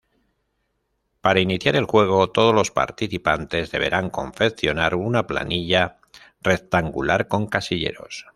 Para iniciar el juego, todos los participantes deberán confeccionar una planilla rectangular con casilleros.